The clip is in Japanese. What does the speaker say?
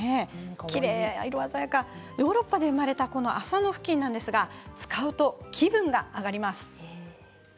きれいで色鮮やかヨーロッパで生まれた麻のふきんを使うと気分が上がります。